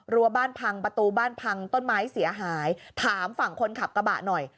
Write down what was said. รัวบ้านพังประตูบ้านพังต้นไม้เสียหายถามฝั่งคนขับกระบะหน่อย